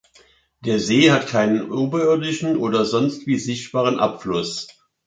Der See hat keinen oberirdischen oder sonst wie sichtbaren Abfluss.